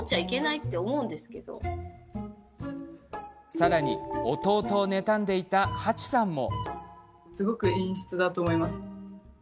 さらに、弟を妬んでいたはちさんも。